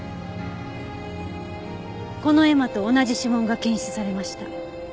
この絵馬と同じ指紋が検出されました。